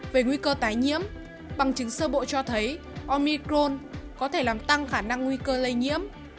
về nguy cơ tái nhiễm bằng chứng sơ bộ cho thấy omicrone có thể làm tăng khả năng nguy cơ lây nhiễm